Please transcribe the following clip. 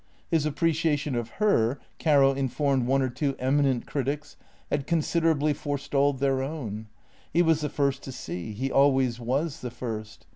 His appreciation of her, Caro informed one or two eminent critics, had con siderably forestalled their own. He was the first to see; he always was the first.